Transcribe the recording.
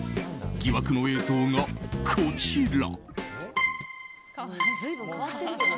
疑惑の映像がこちら。